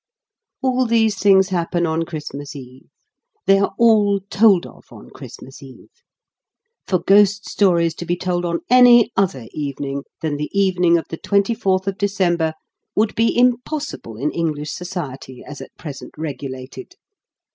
All these things happen on Christmas Eve, they are all told of on Christmas Eve. For ghost stories to be told on any other evening than the evening of the twenty fourth of December would be impossible in English society as at present regulated.